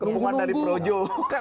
kepungan dari projo